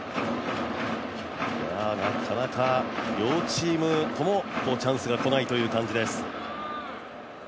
なかなか両チームともにチャンスが来ない感じです。